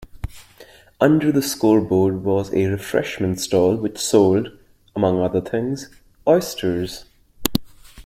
Under the scoreboard was a refreshment stall which sold, among other things, oysters.